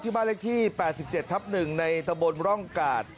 บ้านเลขที่๘๗ทับ๑ในตะบนร่องกาด